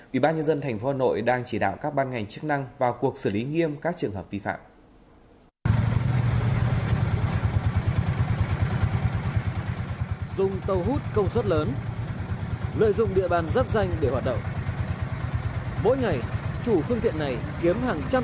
ủy ban nhân dân tp hà nội đang chỉ đạo các ban ngành chức năng vào cuộc xử lý nghiêm các trường hợp vi phạm